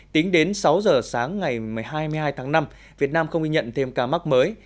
tính đến sáu giờ sáng ngày hai mươi hai tháng năm việt nam không ghi nhận thêm ca mắc mới